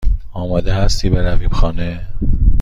آماده هستی برویم خانه؟